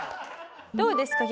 どうですか？